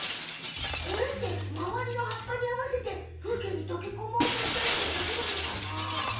これってまわりのはっぱにあわせて風景にとけこもうとしてるってことなのかな？